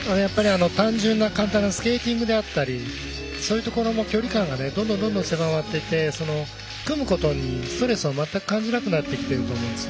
単純な、簡単なスケーティングであったりそういったところの距離感がどんどん狭まっていて組むことにストレスを全く感じなくなっていると思います。